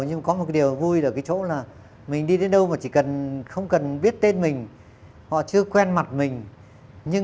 nhưng không mấy lần nữa chúng ta sẽ tìm ra được chất thơ